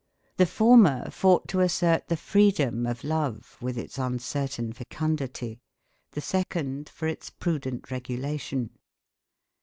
The former fought to assert the freedom of love with its uncertain fecundity; the second, for its prudent regulation.